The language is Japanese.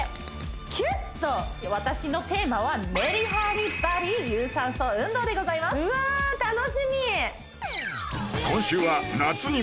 キュッと私のテーマはメリハリボディ有酸素運動でございますうわ楽しみ！